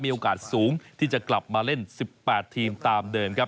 โอกาสสูงที่จะกลับมาเล่น๑๘ทีมตามเดิมครับ